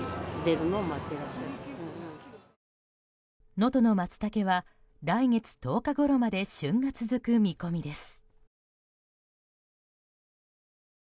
能登のマツタケは来月１０日ごろまで旬が続く見込みです。